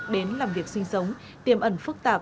đến làm việc sinh sống tiềm ẩn phức tạp